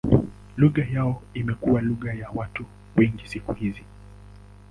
Lugha yao imekuwa lugha ya watu wengi siku hizi.